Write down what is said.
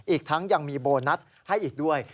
อีกทั้งยังมีโบนัสให้อีกด้วย